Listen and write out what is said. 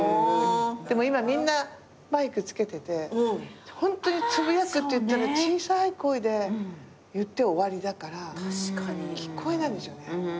でも今みんなマイクつけててつぶやくって言ったら小さい声で言って終わりだから聞こえないんですよね。